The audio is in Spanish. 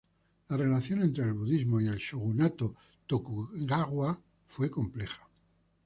La relación entre el budismo y el shogunato Tokugawa fue compleja.